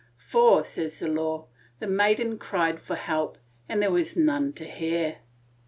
"For," says the law, "the maiden cried for help, and there was none to hear."